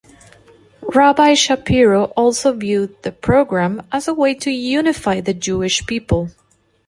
Rabbi Shapiro also viewed the program as a way to unify the Jewish people.